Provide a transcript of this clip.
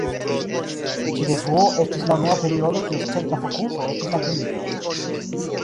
Ĉi-revuo estis la unua periodo kies centra fokuso estis la kemio.